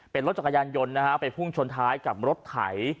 เป็นรถจักรยานยนต์นะฮะไปพุ่งชนท้ายกับรถไถ